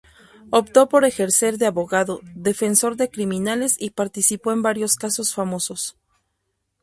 Optó por ejercer de abogado defensor de criminales y participó en varios casos famosos.